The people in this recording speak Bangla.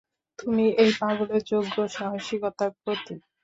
তুমি এই পালকের যোগ্য, সাহসীকতার প্রতীক।